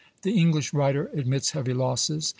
The English writer admits heavy losses.